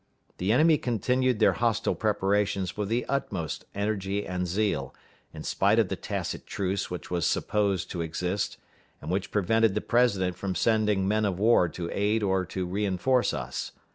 The enemy continued their hostile preparations with the utmost energy and zeal, in spite of the tacit truce which was supposed to exist, and which prevented the President from sending men of war to aid or to re enforce us.